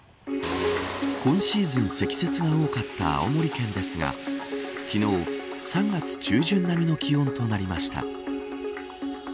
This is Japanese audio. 今シーズン積雪が多かった青森県ですが昨日、３月中旬並みの気温となりました。